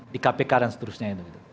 di kpk dan seterusnya